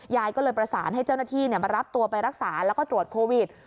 ยายก็เลยประสานให้เจ้าหน้าที่มารับตัวไปรักษาแล้วก็ตรวจโควิด